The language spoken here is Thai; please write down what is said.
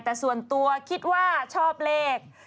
แต่ส่วนตัวคิดว่าชอบเลข